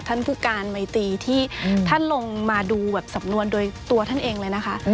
ท่านผู้การไมตีที่ท่านลงมาดูแบบสำนวนโดยตัวท่านเองเลยนะคะ